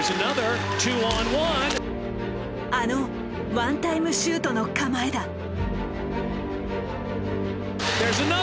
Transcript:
あのワンタイムシュートの構えだ。